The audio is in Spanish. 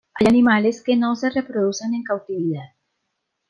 Hay animales que no se reproducen en cautividad.